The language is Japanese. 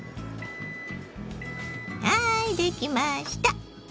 はいできました。